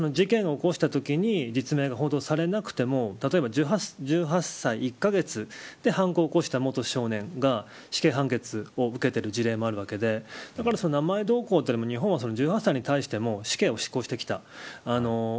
つまり事件を起こしたときに実名報道はされなくても例えば１８歳、１カ月で犯行を起こした元少年が死刑判決を受けている事例もあるわけでだから名前がどうこうというよりも、日本は１８歳に対しても死刑を執行してきた。